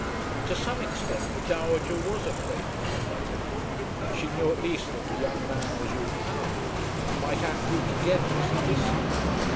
To some extent the dowager was afraid of her nephew. She knew at least that the young man was all powerful and might act altogether as he listed.